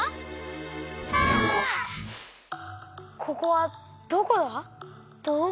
ここはどこだ？